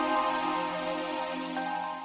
sampai jumpa lagi